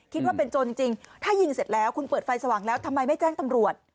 คิดว่าเป็นโจรจริงถ้ายิงเสร็จแล้วคุณเปิดไฟสว่างแล้วทำไมไม่แจ้งตำรวจ